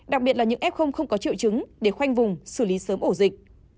đặc biệt là những f không có triệu chứng để khoanh vùng xử lý sớm ổ dịch